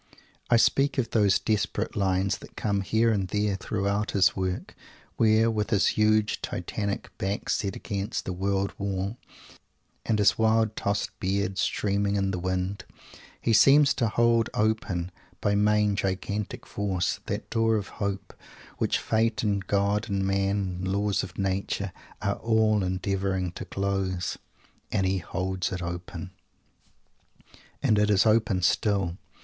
I speak of those desperate lines that come, here and there, throughout his work, where, with his huge, Titanic back set against the world wall, and his wild tossed beard streaming in the wind, he seems to hold open by main, gigantic force that door of hope which Fate and God and Man and the Laws of Nature are all endeavoring to close! And he holds it open! And it is open still.